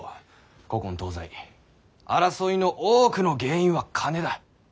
古今東西争いの多くの原因は金だ。